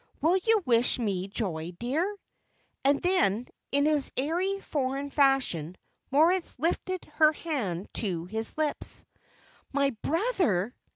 Will you wish me joy, dear!" And then in his airy, foreign fashion, Moritz lifted her hand to his lips. "My brother!"